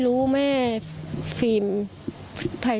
อยู่ดีมาตายแบบเปลือยคาห้องน้ำได้ยังไง